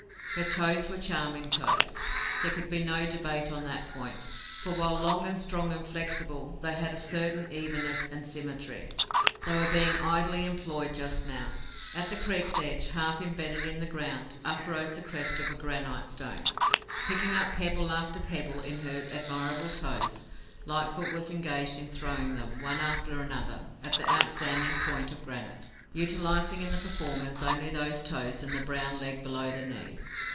Her toes were charming toes. There could be no debate on that point, for, while long and strong and flexible, they had a certain evenness and symmetry. They were being idly employed just now. At the creek's edge, half imbedded in the ground, uprose the crest of a granite stone. Picking up pebble after pebble in her admirable toes, Lightfoot was engaged in throwing them, one after another, at the outstanding point of granite, utilizing in the performance only those toes and the brown leg below the knee.